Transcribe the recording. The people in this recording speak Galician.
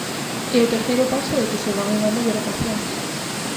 E o terceiro paso é que se van un ano de vacacións.